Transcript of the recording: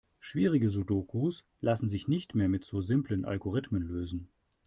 Schwierige Sudokus lassen sich nicht mehr mit so simplen Algorithmen lösen.